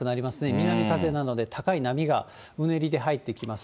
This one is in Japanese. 南風なので、高い波がうねりで入ってきます。